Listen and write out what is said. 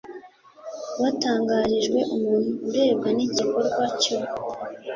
rwatangarijwe umuntu urebwa n igikorwa cyo